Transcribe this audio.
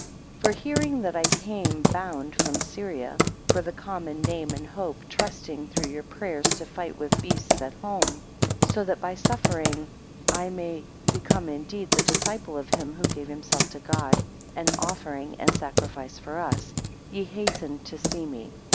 4 For hearing that I came bound from Syria, for the common name and hope, trusting through your prayers to fight with beasts at home; so that by suffering I may become indeed the disciple of him who gave himself to God, an offering and sacrifice for us; ye hastened to see me.